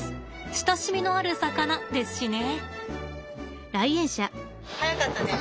親しみのある魚ですしね。